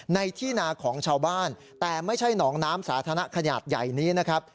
ในที่นาของชาวบ้านแต่ไม่ใช่หนองน้ำสาธารณะขนาดใหญ่นี้นะครับ